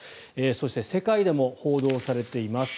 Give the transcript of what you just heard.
そして、世界でも報道されています。